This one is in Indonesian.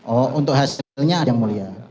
oh untuk hasilnya ada yang mulia